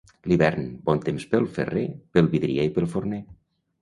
L'hivern, bon temps pel ferrer, pel vidrier i pel forner.